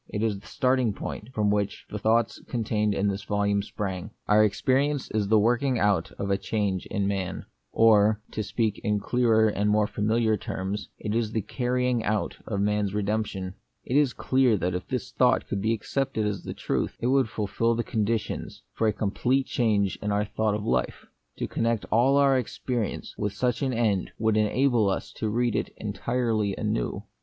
It is the starting point from which the thoughts contained in this volume sprang :— Our experience is the working out of a change in man ; or, to speak in clearer and more familiar terms, it is the carrying out of man's redemption. It is clear that if this thought could be accepted as the truth, it would fulfil the conditions for a complete change in our thought of life. To connect all our experi ence with such an end would enable us to read it entirely anew.